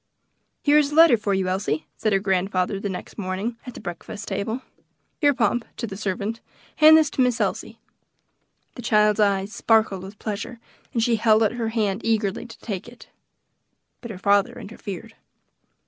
"Here is a letter for you, Elsie," said her grandfather, the next morning, at the breakfast table. "Here, Pomp" to the servant "hand this to Miss Elsie." The child's eyes sparkled with pleasure, and she held out her hand eagerly to take it. But her father interfered.